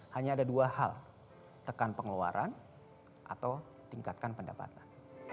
hanya ada dua hal tekan pengeluaran atau tingkatkan pendapatan